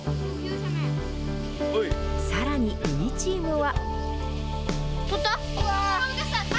さらに海チームは。